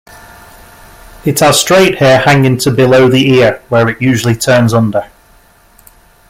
It has straight hair hanging to below the ear, where it usually turns under.